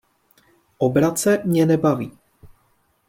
Obrace mě nebaví.